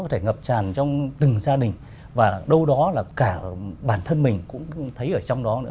có thể ngập tràn trong từng gia đình và đâu đó là cả bản thân mình cũng thấy ở trong đó nữa